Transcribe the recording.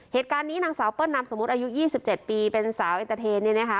เหตุการณ์นี้นางสาวเปิ้ลนำสมมุติอายุยี่สิบเจ็ดปีเป็นสาวเอ็นตะเทนเนี้ยนะคะ